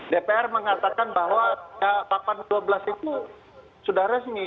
dpr mengatakan bahwa papan dua belas itu sudah resmi